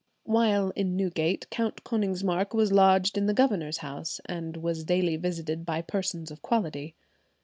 While in Newgate, Count Konigsmark was lodged in the governor's house, and was daily visited by persons of quality.